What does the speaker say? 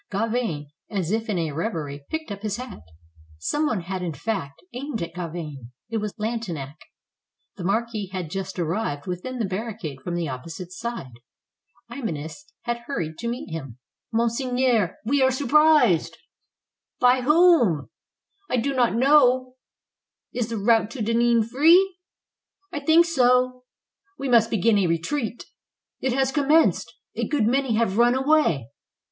Gauvain, as if in a reverie, picked up his hat. Some one had in fact aimed at Gauvain: it was Lantenac. The marquis had just arrived within the barricade from the opposite side. Imanus had hurried to meet him. 320 IN THE REVOLT OF THE VENDEE • "Monseigneur, we are surprised!" "By whom?" "I do not know." "Is the route to Dinan free?" "I think so." "We must begin a retreat." "It has commenced. A good many have run away."